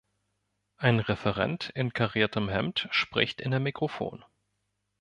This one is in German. Ein Referent in kariertem Hemd spricht in ein Mikrofon.